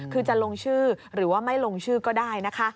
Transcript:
คือจะลงชื่อหรือว่าไม่ลงชื่อก็ได้นะคะ